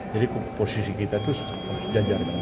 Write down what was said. jadi posisi kita itu sejajar dengan kpu